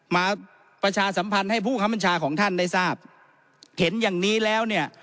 มาประชาสัมพันธ์ให้ผู้คำบัญชาของท่านได้ทราบเห็นอย่างนี้แล้วเนี่ย